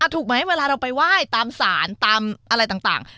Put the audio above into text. ถูกไหมเวลาเราไปไหว้ตามศาลตามอะไรต่าง